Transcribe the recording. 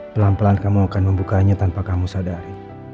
pelan pelan kamu akan membukanya tanpa kamu sadari